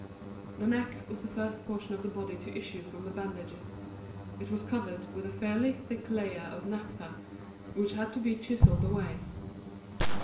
The neck was the first portion of the body to issue from the bandages; it was covered with a fairly thick layer of naphtha which had to be chiselled away.